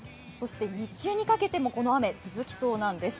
日中にかけてもこの雨、続きそうなんです。